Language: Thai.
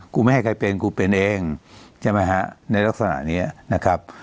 ไม่ให้ใครเป็นกูเป็นเองใช่ไหมฮะในลักษณะนี้นะครับ